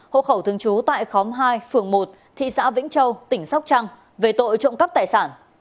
hộ khẩu thường trú tại khóm hai phường một thị xã vĩnh châu tỉnh sóc trăng về tội trộm cắp tài sản